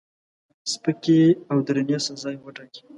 سپکې او درنې سزاوي وټاکي.